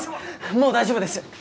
もう大丈夫です！